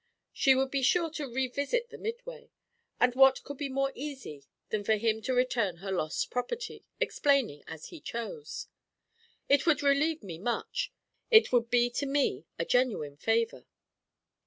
She would be sure to revisit the Midway; and what could be more easy than for him to return her lost property, explaining as he chose? It would relieve me much; it would be to me a genuine favour.